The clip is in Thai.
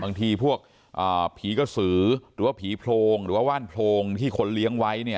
บางทีพวกผีกระสือหรือว่าผีโพรงหรือว่าว่านโพรงที่คนเลี้ยงไว้เนี่ย